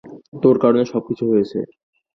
তোর কারনে সবকিছু হয়েছে!